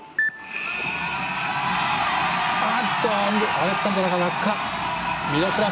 アレクサンドラが落下！